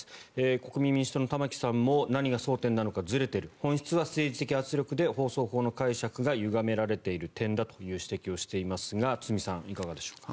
国民民主党の玉木さんも何が争点なのかずれている本質は政治的圧力で放送法の解釈がゆがめられている点だと指摘をしていますが堤さん、いかがでしょうか。